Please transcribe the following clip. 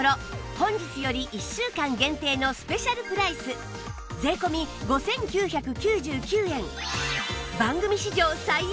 本日より１週間限定のスペシャルプライス税込５９９９円